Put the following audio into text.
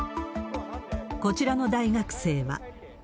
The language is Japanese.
こちらの大学生は。